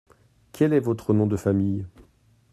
Quel est votre nom de famille ?